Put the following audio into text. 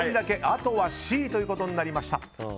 あとはＣということになりました。